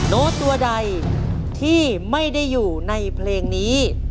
โน้ตตัวใดที่ไม่ได้อยู่ในเพลงนี้